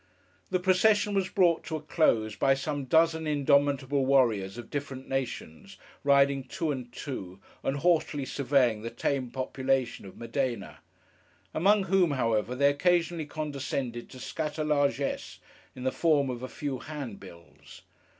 The procession was brought to a close, by some dozen indomitable warriors of different nations, riding two and two, and haughtily surveying the tame population of Modena: among whom, however, they occasionally condescended to scatter largesse in the form of a few handbills.